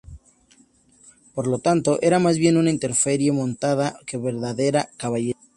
Por lo tanto, era más bien una infantería montada que verdadera caballería.